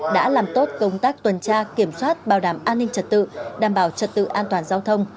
đã làm tốt công tác tuần tra kiểm soát bảo đảm an ninh trật tự đảm bảo trật tự an toàn giao thông